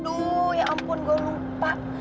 aduh ya ampun gue lupa